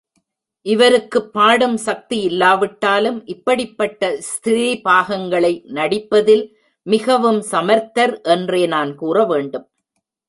இவருக்குப் பாடும் சக்தியில்லாவிட்டாலும், இப்படிப்பட்ட ஸ்திரீ பாகங்களை நடிப்பதில் மிகவும் சமர்த்தர் என்றே நான் கூற வேண்டும்.